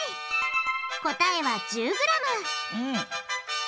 答えは１０ｇ